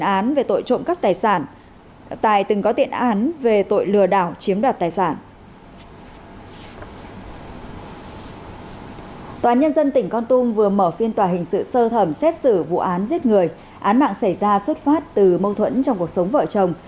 án mạng xảy ra xuất phát từ mâu thuẫn trong cuộc sống vợ chồng